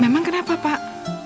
memang kenapa pak